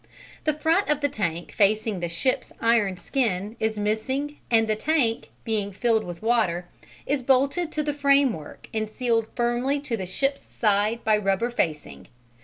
The front of the tank facing the ship's iron skin is missing and the tank, being filled with water, is bolted to the framework and sealed firmly to the ship's side by rubber facing.